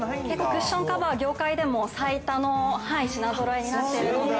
◆クッションカバーは業界でも、最多の品ぞろえになっているので。